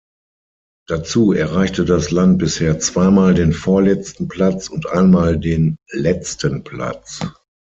Dazu erreichte das Land bisher zweimal den vorletzten Platz und einmal den letzten Platz.